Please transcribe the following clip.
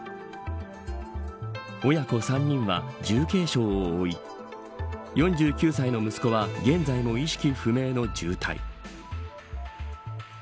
親子３人は、重軽傷を負い４９歳の息子は現在も意識不明の重体。